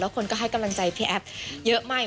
คนก็ให้กำลังใจพี่แอฟเยอะมาก